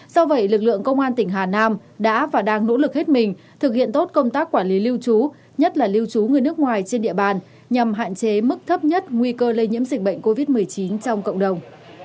do vậy lực lượng công an tỉnh hà nam đã và đang nỗ lực hết mình thực hiện tốt công tác quản lý lưu trú nhất là lưu trú người nước ngoài trên địa bàn nhằm hạn chế mức thấp nhất nguy cơ lây nhiễm dịch bệnh covid một mươi chín trong cộng đồng